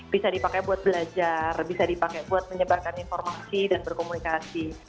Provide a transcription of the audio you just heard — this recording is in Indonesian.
bisa dipakai buat belajar bisa dipakai buat menyebarkan informasi dan berkomunikasi